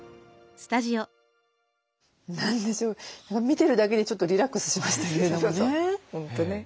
見てるだけでちょっとリラックスしましたけれどもね。